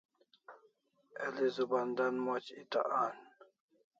El'i zuban dan moch eta an